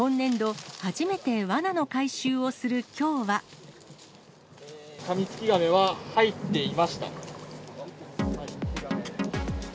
今年度、カミツキガメは入っていました。